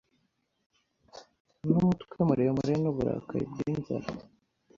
Numutwe muremure nuburakari bwinzara